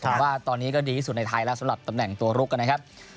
ผมว่าตอนนี้ก็ดีที่สุดในไทยแล้วสำหรับตำแหน่งตัวลุกนะครับ